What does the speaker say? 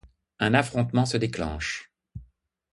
Un affrontement se déclenche.